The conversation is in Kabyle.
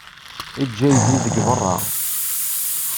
Eǧǧ aydi deg beṛṛa.